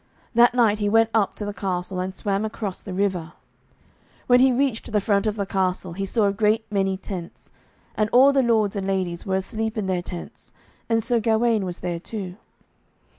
That night he went up to the castle, and swam across the river. When he reached the front of the castle, he saw a great many tents. And all the lords and ladies were asleep in their tents, and Sir Gawaine was there too.